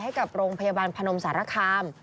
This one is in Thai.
ให้กับโรงพยาบาลพนมสารคาม